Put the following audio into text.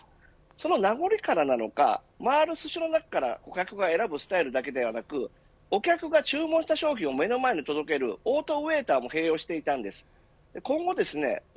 その名残からなのか回るすしの中から顧客が選ぶスタイルだけではなくお客が注文した商品を目の前に取っておけるオートウェーターも併用していたんです。